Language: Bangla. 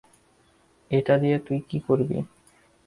এটা দিয়ে তুই কি করবি?